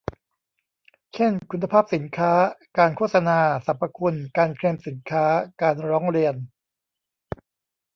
เช่น คุณภาพสินค้า การโฆษณาสรรพคุณ การเคลมสินค้า การร้องเรียน